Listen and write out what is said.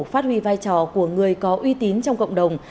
phát huy vai trò của người có uy tín trong cộng đồng